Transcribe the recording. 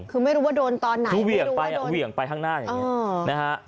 คือไม่รู้ว่าโดนตอนไหนคือเหวี่ยงไปข้างหน้าอย่างนี้